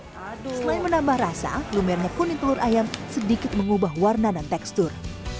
selain menambah rasa lumernya kuning telur ayam sedikit mengubah warna dan tekstur